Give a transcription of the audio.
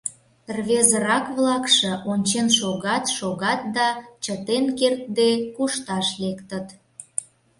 Рвезырак-влакше ончен шогат-шогат да, чытен кертде, кушташ лектыт.